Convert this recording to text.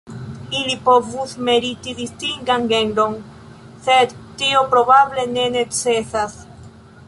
Ili povus meriti distingan genron, sed tio probable ne necesas.